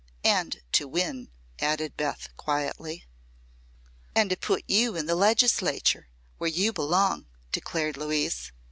"And to win," added Beth, quietly. "And to put you in the Legislature where you belong," declared Louise.